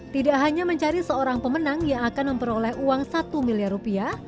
tidak hanya mencari seorang pemenang yang akan memperoleh uang satu miliar rupiah